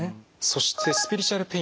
そしてスピリチュアルペイン。